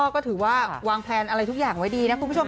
ก็ถือว่าวางแพลนอะไรทุกอย่างไว้ดีนะคุณผู้ชม